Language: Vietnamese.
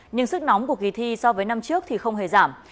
nhưng sức nóng của kỳ thi so với năm trước thì không hề giảm